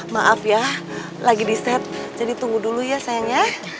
maaf ya lagi di set jadi tunggu dulu ya sayangnya